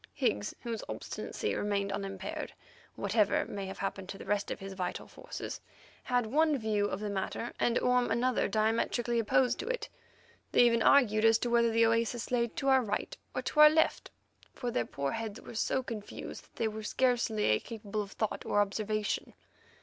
Higgs, whose obstinacy remained unimpaired, whatever may have happened to the rest of his vital forces, had one view of the matter, and Orme another diametrically opposed to it. They even argued as to whether the oasis lay to our right or to our left, for their poor heads were so confused that they were scarcely capable of accurate thought or observation.